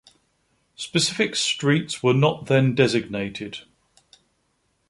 Specific streets were not then designated.